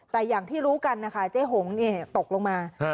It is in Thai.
แต่อย่างที่รู้กันนะคะเจ๊หงตกลงมา